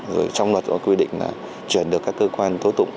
rồi trong luật quy định là chuyển được các cơ quan tố tụng